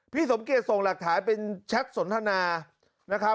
พี่สมเกตส่งหลักถ่ายเป็นแชทสนทนา